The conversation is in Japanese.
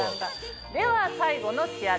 では最後の仕上げ。